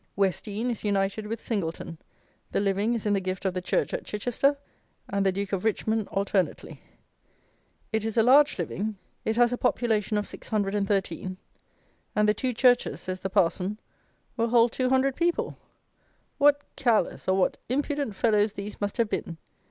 Westdean is united with Singleton, the living is in the gift of the Church at Chichester and the Duke of Richmond alternately; it is a large living, it has a population of 613, and the two churches, says the parson, will hold 200 people! What careless, or what impudent fellows these must have been.